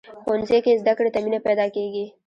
ښوونځی کې زده کړې ته مینه پیدا کېږي